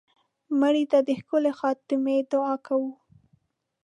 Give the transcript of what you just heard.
مړه ته د ښکلې خاتمې دعا کوو